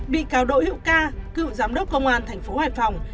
bị cáo đội hữu ca cựu giám đốc công an tp hải phòng